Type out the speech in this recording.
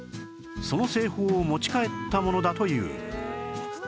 その製法を持ち帰ったものだという